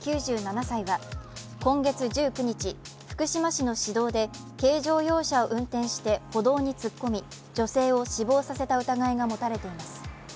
９７歳は今月１９日、福島市の市道で軽乗用車を運転して歩道に突っ込み女性を死亡させた疑いが持たれています。